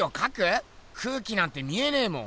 空気なんて見えねぇもん。